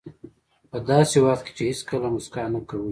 په داسې وخت کې چې هېڅکله موسکا نه کوئ.